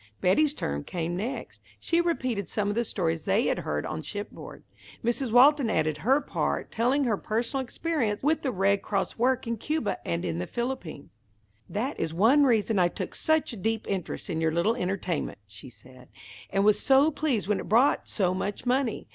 Betty's turn came next. She repeated some of the stories they had heard on shipboard. Mrs. Walton added her part afterward, telling her personal experience with the Red Cross work in Cuba and the Philippines. "That is one reason I took such a deep interest in your little entertainment," she said, "and was so pleased when it brought so much money.